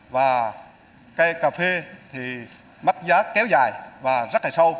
và cây cà phê thì mất giá kéo dài và rất là sâu